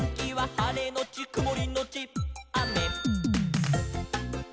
「はれのちくもりのちあめ」